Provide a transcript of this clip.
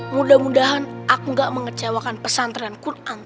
mudah mudahan aku gak mengecewakan pesantrenku